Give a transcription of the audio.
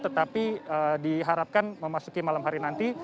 tetapi diharapkan memasuki malam hari nanti